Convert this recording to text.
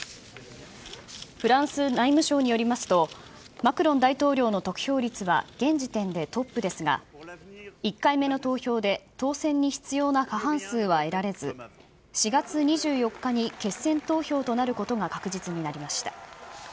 フランス内務省によりますと、マクロン大統領の得票率は、現時点でトップですが、１回目の投票で当選に必要な過半数は得られず、４月２４日に決選投票となることが確実になりました。